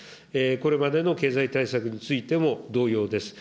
これまでの経済対策についても、同様です。